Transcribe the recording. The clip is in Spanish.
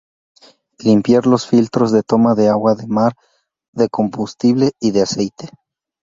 Limpiar los filtros de toma de agua de mar, de combustible y de aceite.